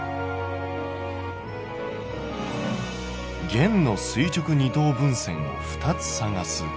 「弦の垂直二等分線を２つ探す」。